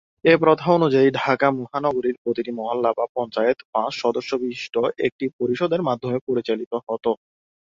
এ প্রথা অনুযায়ী ঢাকা নগরীর প্রতিটি মহল্লা বা পঞ্চায়েত পাঁচ সদস্য বিশিষ্ট একটি পরিষদের মাধ্যমে পরিচালিত হতো।